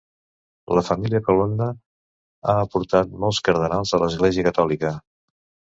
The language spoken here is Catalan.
La família Colonna ha aportat molts cardenals a l'església catòlica.